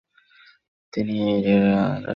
তিনি রোডেরিগো বোর্জিয়া নামে পরিচিত হন।